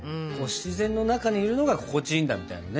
自然の中にいるのが心地いいんだみたいなね。